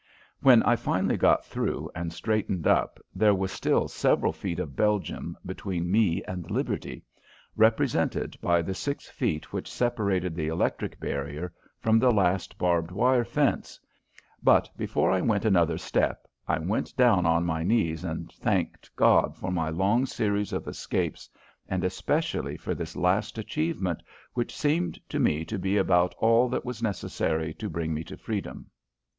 When I finally got through and straightened up there were still several feet of Belgium between me and liberty, represented by the six feet which separated the electric barrier from the last barbed wire fence, but before I went another step I went down on my knees and thanked God for my long series of escapes and especially for this last achievement, which seemed to me to be about all that was necessary to bring me freedom.